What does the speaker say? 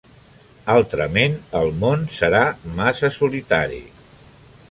Altrament el món serà massa solitari.